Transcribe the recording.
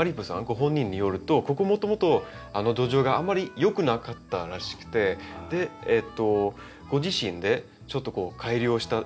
ご本人によるとここもともと土壌があんまりよくなかったらしくてでご自身でちょっと改良したらしいんですね。